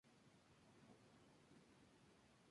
Se entretuvo llenando de dibujos la ambulancia que conducía.